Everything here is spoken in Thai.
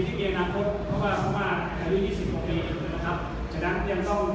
อัแบบนี้เรายกจากฮามาทเป็นทีมที่เกียรติธรรมนานฝน